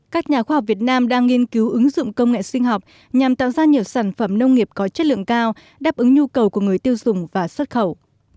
các nhà khoa học việt nam đang nghiên cứu ứng dụng công nghệ sinh học nhằm tạo ra nhiều sản phẩm nông nghiệp có chất lượng cao đáp ứng nhu cầu của người tiêu dùng và xuất khẩu